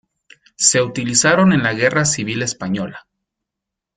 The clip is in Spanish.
Se utilizaron en la Guerra Civil española.